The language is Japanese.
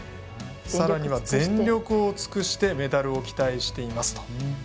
さらには全力を尽くしてメダルを期待していますと。